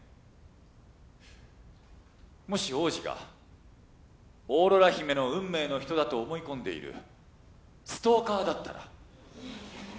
もし王子がオーロラ姫の運命の人だと思い込んでいるストーカーだったら？